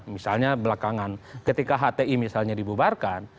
misalnya belakangan ketika hti misalnya dibubarkan